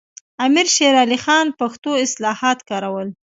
امیر شیر علي خان پښتو اصطلاحات کارول.